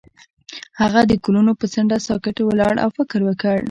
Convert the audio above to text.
هغه د ګلونه پر څنډه ساکت ولاړ او فکر وکړ.